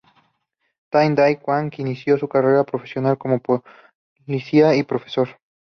Trần Đại Quang inició su carrera profesional como policía y profesor.